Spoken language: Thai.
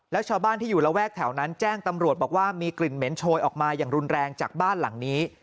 แล้วชาวบ้านที่อยู่ระแวกแถวนั้นแจ้งตำรวจบอกว่ามีกลิ่นเหม็นโชยออกมาอย่างรุนแรงจากบ้านหลังนี้